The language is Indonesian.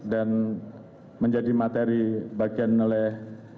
dan menjadi materi bagian oleh